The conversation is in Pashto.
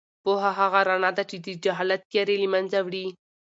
پوهه هغه رڼا ده چې د جهالت تیارې له منځه وړي.